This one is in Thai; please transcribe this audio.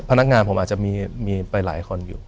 พนักงานผมอาจจะมีไปหลายคนอยู่